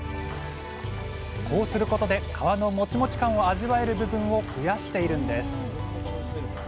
こうすることで皮のモチモチ感を味わえる部分を増やしているんです。